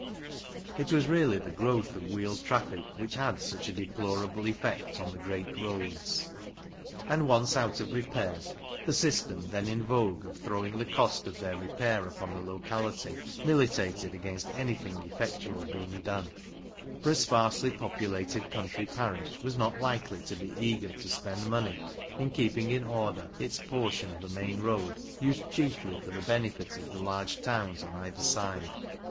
It was really the growth of wheeled traffic which had such a deplorable effect on the great roads. And once out of repair, the system then in vogue of throwing the cost of their repair upon the locality, militated against anything effectual being done, for a sparsely populated country parish was not likely to be eager to spend money in keeping in order its portion of a main road used chiefly for the benefit of the large towns on either side.